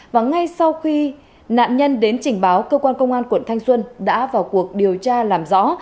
và ngay sau khi nạn nhân đến trình báo cơ quan công an quận thanh xuân đã vào cuộc điều tra làm rõ